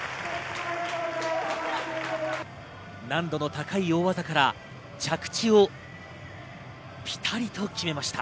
難度の高い大技から着地をぴたりと決めました。